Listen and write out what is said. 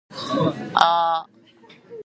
Uh...